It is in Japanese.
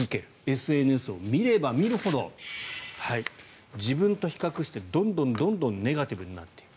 ＳＮＳを見れば見るほど自分と比較して、どんどんネガティブになっていく。